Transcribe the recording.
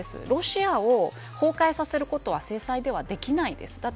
ロシアを崩壊させることは制裁ではできないんです。